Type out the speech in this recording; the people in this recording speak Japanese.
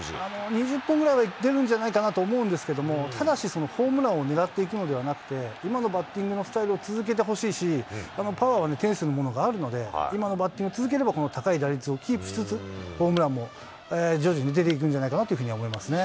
２０本ぐらいは打てるんじゃないかと思うんですけれども、ただしそのホームランを狙っていくのではなくて、今のバッティングのスタイルを続けてほしいし、パワーをね、するものが、あるので、今のバッティング続ければ高い打率をキープしつつ、ホームランも徐々に出ていくんじゃないかなと思いますね。